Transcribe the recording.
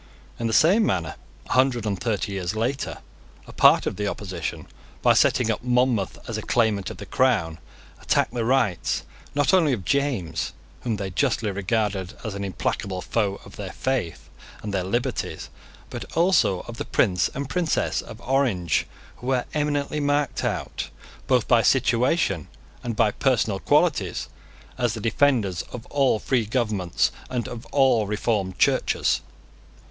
In the same manner, a hundred and thirty years later, a part of the opposition, by setting up Monmouth as a claimant of the crown, attacked the rights, not only of James, whom they justly regarded as an implacable foe of their faith and their liberties, but also of the Prince and Princess of Orange, who were eminently marked out, both by situation and by personal qualities, as the defenders of all free governments and of all reformed churches.